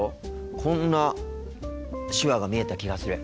こんな手話が見えた気がする。